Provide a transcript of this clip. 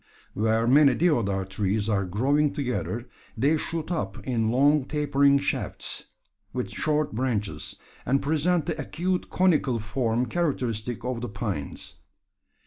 Where many deodar trees are growing together, they shoot up in long tapering shafts, with short branches, and present the acute conical form characteristic of the pines.